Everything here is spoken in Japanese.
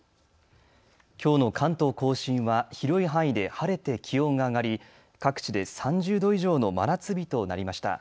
きょうの関東甲信は広い範囲で晴れて気温が上がり各地で３０度以上の真夏日となりました。